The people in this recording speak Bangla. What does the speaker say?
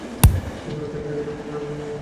ছোটবেলা থেকেই লেখালেখিতে জড়িয়ে পড়েন রমাপদ।